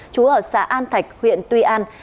chúa ở xã an thạch huyện tuy an